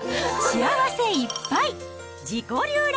幸せいっぱい！